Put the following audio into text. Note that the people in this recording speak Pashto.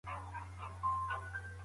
پټو دي واغونده.